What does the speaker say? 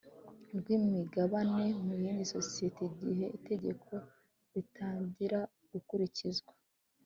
rw imigabane mu yindi sosiyete Igihe itegeko ritangiragukurikizwa